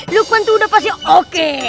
lukman tuh udah pasti oke